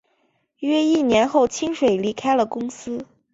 约一年后清水离开了公司。